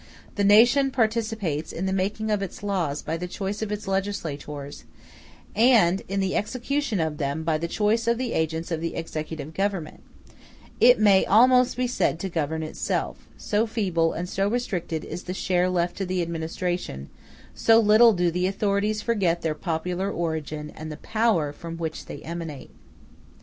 The nation participates in the making of its laws by the choice of its legislators, and in the execution of them by the choice of the agents of the executive government; it may almost be said to govern itself, so feeble and so restricted is the share left to the administration, so little do the authorities forget their popular origin and the power from which they emanate.